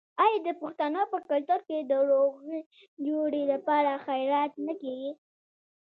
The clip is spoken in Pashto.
آیا د پښتنو په کلتور کې د روغې جوړې لپاره خیرات نه کیږي؟